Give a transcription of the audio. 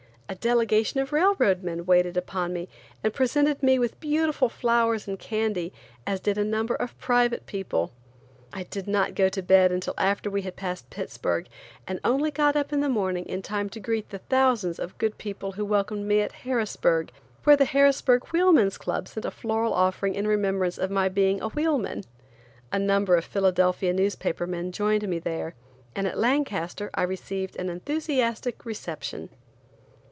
A delegation of railroad men waited upon me and presented me with beautiful flowers and candy, as did a number of private people. I did not go to bed until after we had passed Pittsburgh, and only got up in the morning in time to greet the thousands of good people who welcomed me at Harrisburg, where the Harrisburg Wheelman's Club sent a floral offering in remembrance of my being a wheelman. A number of Philadelphia newspaper men joined me there, and at Lancaster I received an enthusiastic reception.